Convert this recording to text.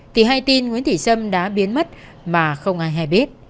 thì hay tin nguyễn thị sâm đã biến mất mà không ai hay biết